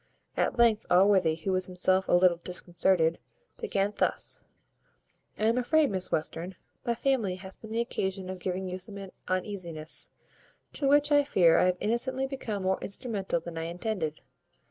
At length Allworthy, who was himself a little disconcerted, began thus: "I am afraid, Miss Western, my family hath been the occasion of giving you some uneasiness; to which, I fear, I have innocently become more instrumental than I intended.